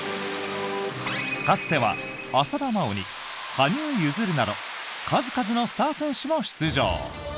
かつては浅田真央に羽生結弦など数々のスター選手も出場。